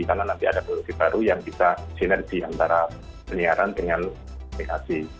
karena nanti ada produksi baru yang bisa sinergi antara peniaran dengan telekomunikasi